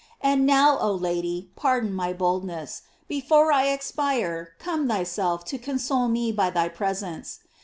And now, oh Lady, pardon my boldness: before I expire come thyself to con eole me by thy presence.